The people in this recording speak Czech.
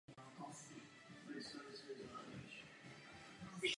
Zbytky této spojky se v terénu zachovaly dodnes.